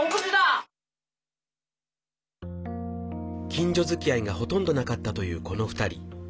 近所づきあいがほとんどなかったというこの２人。